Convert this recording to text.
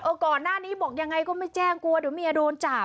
ก่อนหน้านี้บอกยังไงก็ไม่แจ้งกลัวเดี๋ยวเมียโดนจับ